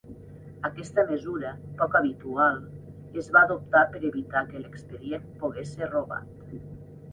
Aquesta mesura, poc habitual, es va adoptar per evitar que l'expedient pogués ser robat.